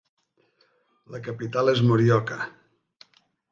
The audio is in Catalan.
La capital és Morioka.